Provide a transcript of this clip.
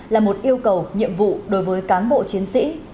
là một yêu cầu nhiệm vụ đối với cán bộ chiến sĩ